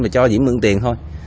và cho diễm mượn tiền thôi